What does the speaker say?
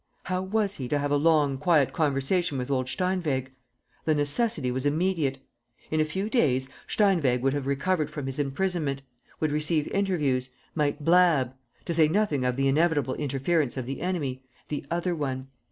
How was he to have a long, quiet conversation with old Steinweg? The necessity was immediate. In a few days, Steinweg would have recovered from his imprisonment, would receive interviews, might blab ... to say nothing of the inevitable interference of the enemy, 'the other one.'